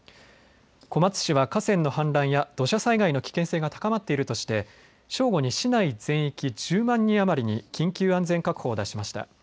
小松市は河川の氾濫や土砂災害の危険性が高まっているとして正午に市内全域１０万人余りに緊急安全確保を出しました。